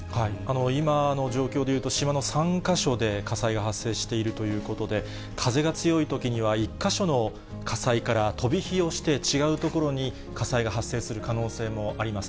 今の状況でいうと、島の３か所で火災が発生しているということで、風が強いときには、１か所の火災から飛び火をして、違う所に火災が発生する可能性もあります。